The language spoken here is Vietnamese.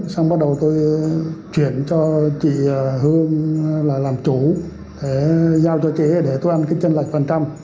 xong bắt đầu tôi chuyển cho chị hương là làm chủ để giao cho chị để tôi ăn cái chân lạch phần trăm